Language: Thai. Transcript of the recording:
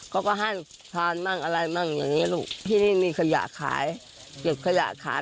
เขาก็ให้ทานมั่งอะไรมั่งอย่างนี้ลูกที่นี่มีขยะขายเก็บขยะขาย